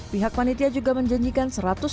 pihak panitia juga menjanjikan